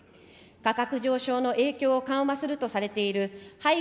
価格上昇の影響を緩和するとされている配合